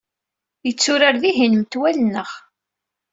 Yetturar dihin metwal-nneɣ.